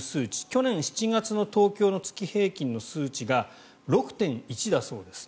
去年７月の東京の月平均の数値が６．１だそうです。